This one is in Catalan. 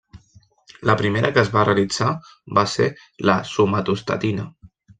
La primera que es va realitzar va ser la somatostatina.